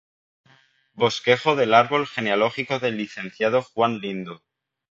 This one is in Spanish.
Bosquejo del árbol genealógico del licenciado Juan Lindo.